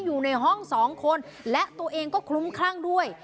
อยู่ในห้องสองคนและตัวเองก็คลุ้มคลั่งด้วย